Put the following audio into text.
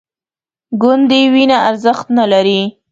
ګوندې وینه ارزښت نه لري